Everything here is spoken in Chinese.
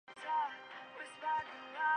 这是一份穆罗姆统治者的列表。